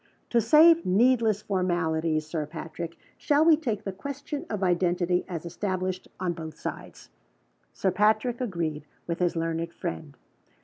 "To save needless formalities, Sir Patrick, shall we take the question of identity as established on both sides?" Sir Patrick agreed with his learned friend.